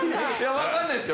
わかんないですよ。